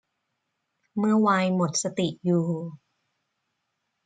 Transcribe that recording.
เมื่อไวน์หมดสติอยู่